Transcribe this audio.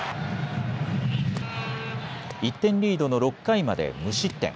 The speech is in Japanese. １点リードの６回まで無失点。